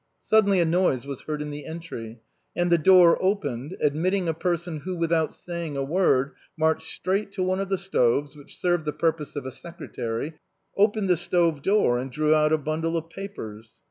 Suddenly a noise was heard in the entry, and the door opened, admitting a person who, without saying a word, marched straight to one of the stoves, which served the pur pose of a secretary, opened the stove door, and drew out a bundle of papers.